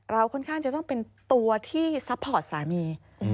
ค่อนข้างจะต้องเป็นตัวที่ซัพพอร์ตสามี